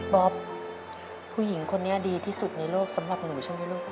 บ๊อบผู้หญิงคนนี้ดีที่สุดในโลกสำหรับหนูใช่ไหมลูก